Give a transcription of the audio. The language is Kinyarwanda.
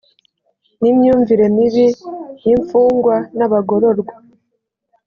n imyumvire mibi y imfungwa n abagororwa